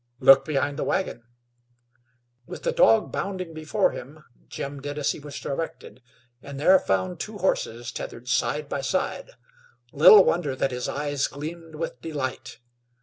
"Look behind the wagon." With the dog bounding before him, Joe did as he was directed, and there found two horses tethered side by side. Little wonder that his eyes gleamed with delight.